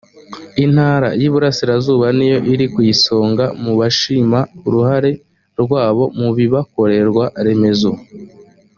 intara y iburasirazuba niyo iri ku isonga mu bashima uruhare rwabo mu bibakorerwa remezo